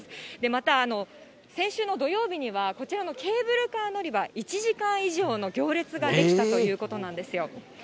また、先週の土曜日には、こちらのケーブルカー乗り場、１時間以上の行列が出来たということなんですよ。